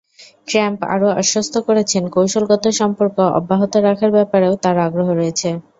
Trump আরও আশ্বস্ত করেছেন, কৌশলগত সম্পর্ক অব্যাহত রাখার ব্যাপারেও তাঁর আগ্রহ রয়েছে।